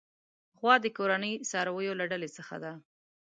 غوا د کورني څارويو له ډلې څخه ده.